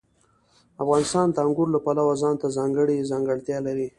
افغانستان د انګورو له پلوه ځانته ځانګړې ځانګړتیا لري.